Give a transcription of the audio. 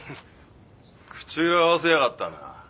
口裏合わせやがったな。